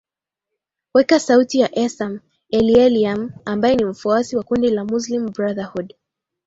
weka sauti ya esam elieliam ambae ni mfuasi wa kundi la muslim brotherhood